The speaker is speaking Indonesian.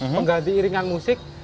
pengganti iringan musik